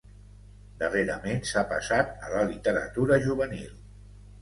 Darrerament s'ha passat a la literatura juvenil.